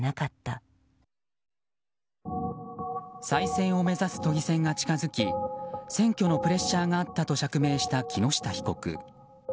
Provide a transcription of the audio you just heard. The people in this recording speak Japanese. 再選を目指す都議選が近づき選挙のプレッシャーがあったと釈明した木下被告。